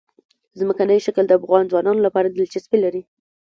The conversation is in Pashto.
ځمکنی شکل د افغان ځوانانو لپاره دلچسپي لري.